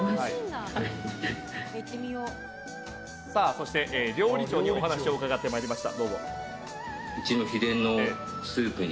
そして料理長にお話を伺ってまいりました。